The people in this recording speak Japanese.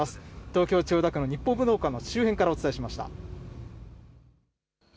東京・千代田区の日本武道館の周辺からお伝えしました。